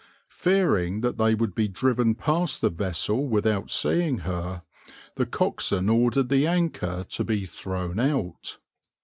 Fearing that they would be driven past the vessel without seeing her, the coxswain ordered the anchor to be thrown out.